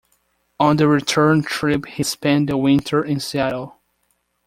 On the return trip he spent the winter in Seattle.